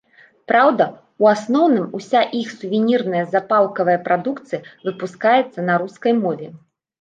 Праўда, у асноўным уся іх сувенірная запалкавая прадукцыя выпускаецца на рускай мове.